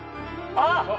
あっ！